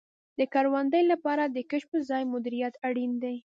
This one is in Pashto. د کروندې لپاره د کښت په ځای مدیریت اړین دی.